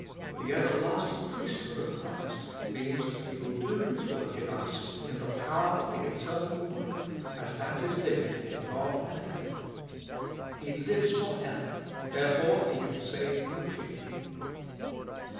The everlasting priesthood of Christ means that He will do His work in us in 230 Gbe 1botie0t of the power of the eternal life, as that is lived in God and heaven. He lives for ever, therefore He can save completely.